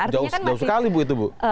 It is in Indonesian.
jauh sedap sekali bu itu bu